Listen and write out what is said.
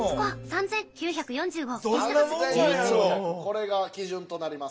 ３９００これが基準となります。